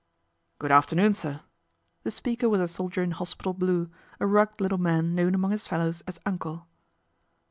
" Good afternoon, sir." The speaker was a soldier in hospital blue, a rugged little man known among his fellows as " Uncle."